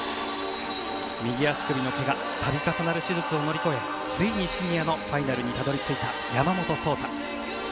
右足首のけが度重なる手術を乗り越えついにシニアのファイナルにたどり着いた山本草太。